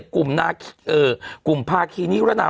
กลุ่มพภาคีนี้ราชนำ